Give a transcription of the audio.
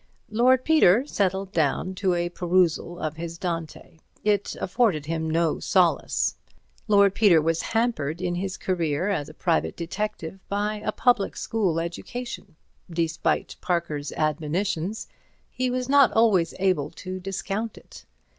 Lord Peter settled down to a perusal of his Dante. It afforded him no solace. Lord Peter was hampered in his career as a private detective by a public school education. Despite Parker's admonitions, he was not always able to discount it.